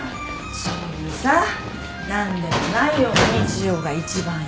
そういうさ何でもないような日常が一番いいのよ。